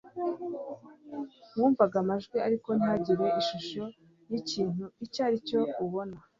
mwumvaga amajwi ariko ntihagire ishusho y ikintu icyo ari cyo ubona